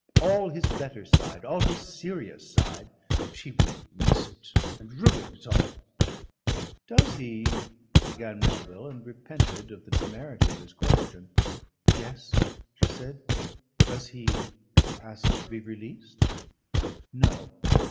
All his better side, all his serious side She would miss it and ruin it all." "Does he " began Melville and repented of the temerity of his question. "Yes?" she said. "Does he ask to be released?" "No....